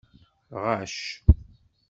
Ɣacc.